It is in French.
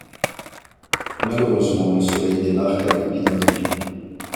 Malheureusement, le Soleil débarque à Pépinotville.